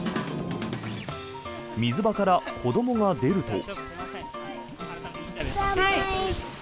水場から子どもが出ると。